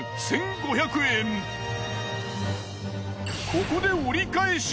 ここで折り返し。